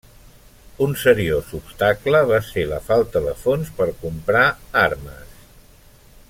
Un seriós obstacle va ser la falta de fons per comprar armes.